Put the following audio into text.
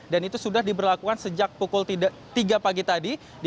dan itu sudah diberlakukan sejak pukul tiga pagi tadi